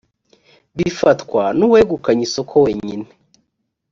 bifatwa n’uwegukanye isoko wenyine